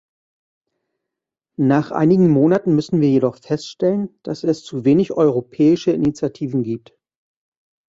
Nach einigen Monaten müssen wir jedoch feststellen, dass es zu wenig europäische Initiativen gibt.